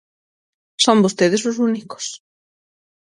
Son vostedes os únicos.